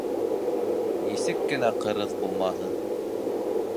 Нисек кенә ҡырыҫ булмаһын